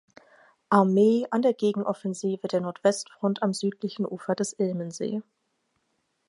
Armee an der Gegenoffensive der Nordwestfront am südlichen Ufer des Ilmensee.